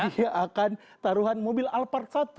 dia akan taruhan mobil alphard satu